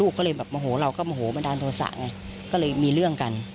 ก็เลยแบบโมโหเราก็โมโหบันดาลโทษะไงก็เลยมีเรื่องกัน